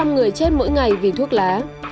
một trăm linh người chết mỗi ngày vì thuốc lá